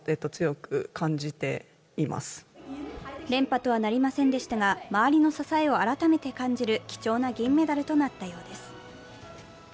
連覇とはなりませんでしたが、周りの支えを改めて感じる貴重な銀メダルとなったようです。